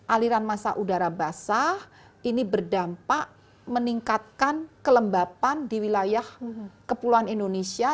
aliran masa udara basah ini berdampak meningkatkan kelembapan di wilayah kepulauan indonesia